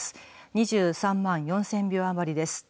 ２３万４０００票余りです。